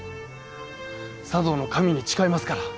茶道の神に誓いますから！